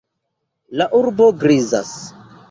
La urbo grizas.